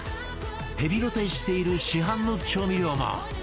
ヘビロテしている市販の調味料が